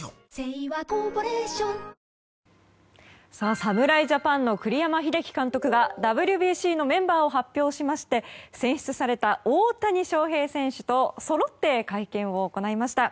侍ジャパンの栗山英樹監督がＷＢＣのメンバーを発表しまして選出された大谷翔平選手とそろって会見を行いました。